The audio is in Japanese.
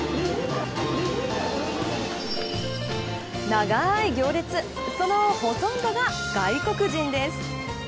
長い行列そのほとんどが外国人です。